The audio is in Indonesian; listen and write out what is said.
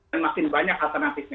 dan makin banyak alternatifnya